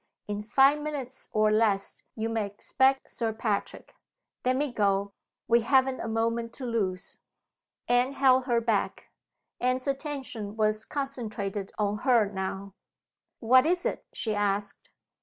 In five minutes or less you may expect Sir Patrick. Let me go! We haven't a moment to lose!" Anne held her back. Anne's attention was concentrated on her now. "What is it?" she asked.